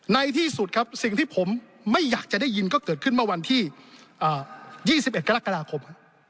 ในที่สุดครับสิ่งที่ผมไม่อยากจะได้ยินก็เกิดขึ้นเมื่อวันที่๒๑กรกฎาคม